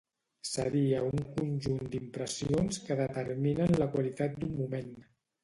Seria un conjunt d'impressions que determinen la qualitat d'un moment.